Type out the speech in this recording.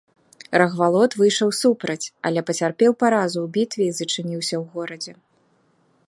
Рагвалод выйшаў супраць, але пацярпеў паразу ў бітве і зачыніўся ў горадзе.